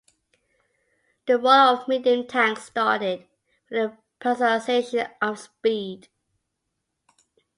The role of medium tanks started with a prioritisation of speed.